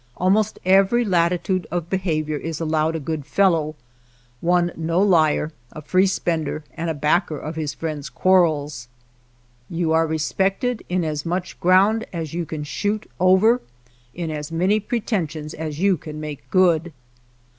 Almost every latitude of behavior is al lowed a good fellow, one no liar, a free spender, and a backer of his friends' quar rels. You are respected in as much m JIMVILLE ground as you can shoot over, in as many pretensions as you can make good.